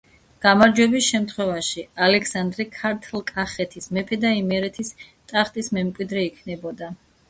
გამარჯვების შემთხვევაში ალექსანდრე ქართლ-კახეთის მეფე და იმერეთის ტახტის მემკვიდრე იქნებოდა.